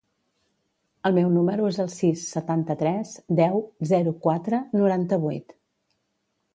El meu número es el sis, setanta-tres, deu, zero, quatre, noranta-vuit.